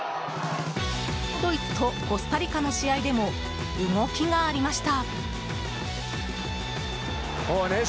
ドイツとコスタリカの試合でも動きがありました。